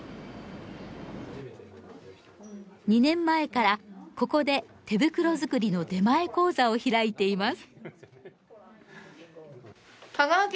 ２年前からここで手袋づくりの出前講座を開いています。